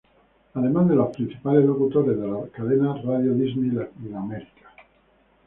Además de los principales locutores de la cadena Radio Disney Latinoamerica.